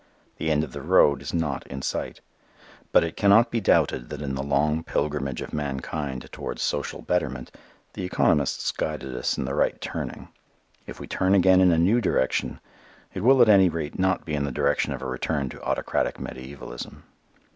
The end of the road is not in sight. But it cannot be doubted that in the long pilgrimage of mankind towards social betterment the economists guided us in the right turning. If we turn again in a new direction, it will at any rate not be in the direction of a return to autocratic mediævalism.